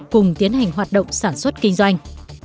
cùng tiến hành hoạt động sản xuất kinh doanh